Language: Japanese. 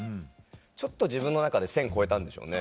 ちょっと自分の中で線越えたんでしょうね。